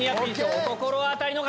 お心当たりの方！